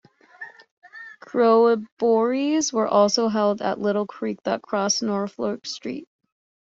Corroborees were also held at a little creek that crossed Norfolk Street.